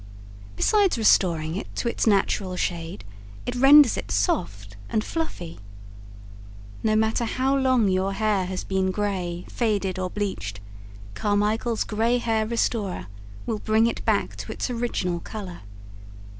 Besides restoring it to its natural shade, it renders it soft and fluffy. No matter how long your hair has been gray, faded or bleached, Carmichael's Gray Hair Restorer will bring it back to its original color.